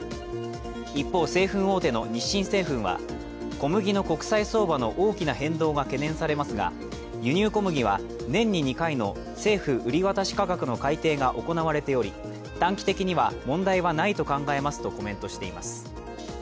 一方、製粉大手の日清製粉は小麦の国際相場の大きな変動が懸念されますが、輸入小麦は年に２回の政府売渡価格の改定が行われており短期的には問題はないと考えますとコメントしています。